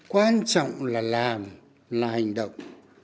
quan trọng là làm là hành động